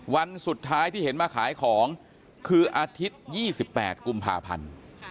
วันสุดท้ายที่เห็นมาขายของคืออาทิตย์๒๘กุมภาพันธ์